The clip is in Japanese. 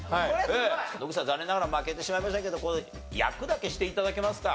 野口さん残念ながら負けてしまいましたけど訳だけして頂けますか？